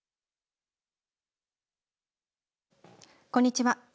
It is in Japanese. こんにちは。